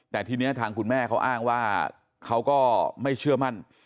แต่ทีนี้ทางคุณแม่เขาอ้างว่าเขาก็ไม่เชื่อมั่น